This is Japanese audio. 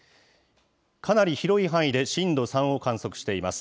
かなり広い範囲で震度３を観測しています。